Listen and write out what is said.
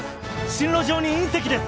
進路上にいん石です！